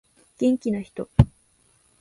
元気な人